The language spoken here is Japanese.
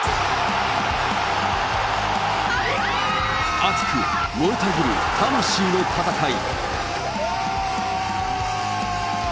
熱く燃えたぎる魂の戦い。